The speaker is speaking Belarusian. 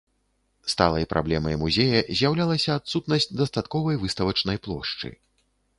Сталай праблемай музея з'яўлялася адсутнасць дастатковай выставачнай плошчы.